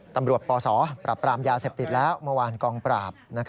ปศปรับปรามยาเสพติดแล้วเมื่อวานกองปราบ